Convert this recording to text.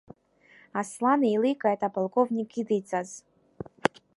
Аслан еиликааит аполковник идиҵаз.